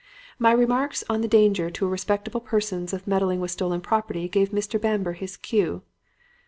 "My remarks on the danger to respectable persons of meddling with stolen property gave Mr. Bamber his cue.